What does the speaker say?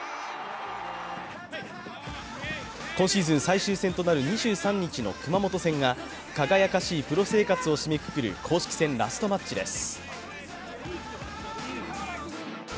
今シーズン最終戦となる２３日の熊本戦が輝かしいプロ生活を締めくくる公式戦ラストマッチです。